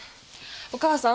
お母さん